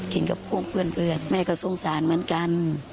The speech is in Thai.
กับพวกเพื่อนแม่ก็สงสารเหมือนกัน